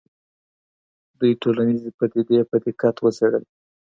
دوی ټولنیزې پدیدې په دقت وڅېړلې.